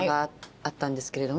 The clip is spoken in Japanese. あったんですけれども。